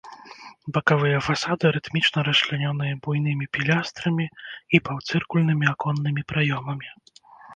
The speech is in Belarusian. Бакавыя фасады рытмічна расчлянёныя буйнымі пілястрамі і паўцыркульнымі аконнымі праёмамі.